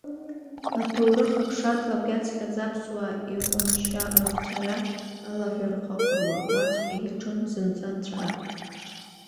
Аҭоурых аԥшатлакә иацҟьаз аԥсуаа, иҟәыншьа рыхҵәара, Алаҳәа рхаҟыруа, уаҵәҟьа иаҿын зынӡа анҵәара.